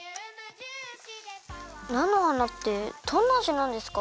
なのはなってどんなあじなんですか？